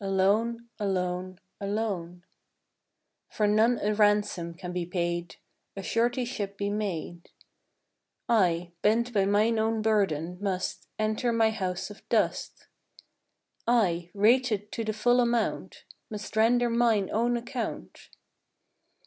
Alone, alone, alone. SOONER OR LATER. 143 For none a ransom can be paid, A suretyship be made, I, bent by mine own burden, must Enter my house of dust; I, rated to the full amount, Must render mine own account.